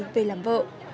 về làm vợ